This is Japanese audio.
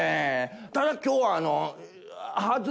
ただ今日はあの。